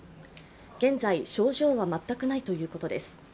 現在、症状は全くないということです。